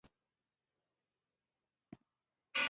خپلواکي د خپل هېواد، ملت او راتلونکي ساتنه ده.